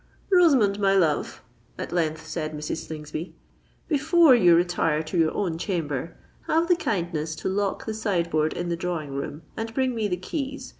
"Rosamond, my love," at length said Mrs. Slingsby, "before you retire to your own chamber, have the kindness to lock the side board in the drawing room and bring me the keys.